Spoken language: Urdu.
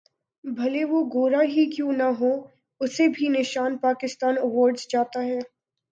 بھلے وہ گورا ہی کیوں نہ ہو اسکو بھی نشان پاکستان ایوارڈ جاتا ہے